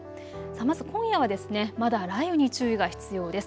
まず今夜はまだ雷雨に注意が必要です。